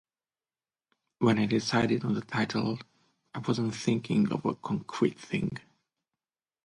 When I decided on the title, I wasn't thinking of a concrete thing.